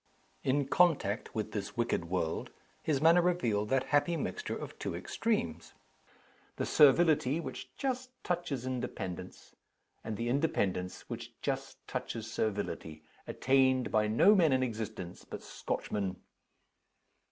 In contact with this wicked world, his manner revealed that happy mixture of two extremes the servility which just touches independence, and the independence which just touches servility attained by no men in existence but Scotchmen.